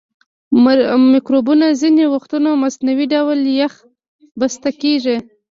مکروبونه ځینې وختونه مصنوعي ډول یخ بسته کیږي.